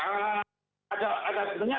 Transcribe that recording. cari data dimana alamannya dimana